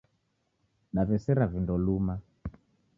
Dawesera vindo luma.